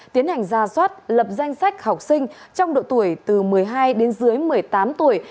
tiến hành ra soát lập danh sách học sinh trong độ tuổi từ một mươi hai đến dưới một mươi tám tuổi